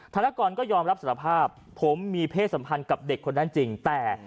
ธนกรก็ยอมรับสารภาพผมมีเพศสัมพันธ์กับเด็กคนนั้นจริงแต่